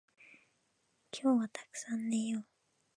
今日はたくさん寝よう